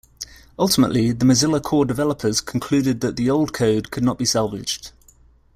Ultimately, the Mozilla core developers concluded that the old code could not be salvaged.